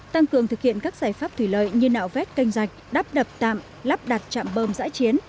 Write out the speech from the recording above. tăng cường thực hiện các giải pháp thủy lợi như nạo vét canh rạch đắp đập tạm lắp đặt chạm bơm giãi chiến